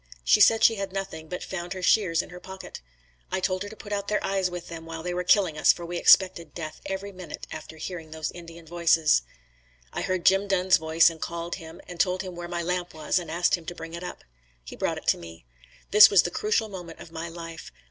She said she had nothing, but found her shears in her pocket. I told her to put out their eyes with them, while they were killing us, for we expected death every minute after hearing those Indian voices. I heard Jim Dunn's voice and called him and told him where my lamp was and asked him to bring it up. He brought it to me. This was the crucial moment of my life.